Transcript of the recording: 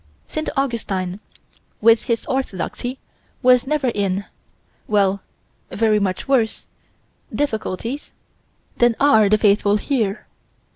St. Augustine, with his orthodoxy, was never in well, very much worse difficulties than are the faithful here.